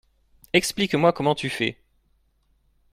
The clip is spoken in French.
Explique-moi comment tu fais.